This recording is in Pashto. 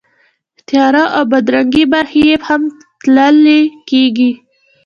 تیاره او بدرنګې برخې یې هم تلل کېږي.